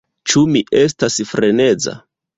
Ĉu mi estas freneza?